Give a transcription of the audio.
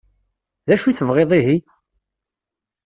D acu i tebɣiḍ ihi?